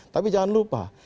tapi jangan lupa